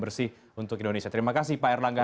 bersih untuk indonesia terima kasih pak erlangga